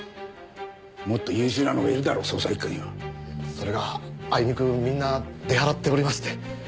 それがあいにくみんな出払っておりまして。